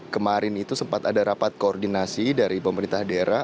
kemarin itu sempat ada rapat koordinasi dari pemerintah daerah